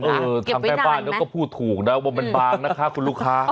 เออทำแค่บ้านแล้วก็พูดถูกนะว่าเป็นบางนะคะคุณลูกค้า